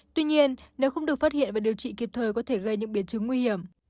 tuy nhiên nếu không được phát hiện và điều trị kịp thời có thể gây những biến chứng nguy hiểm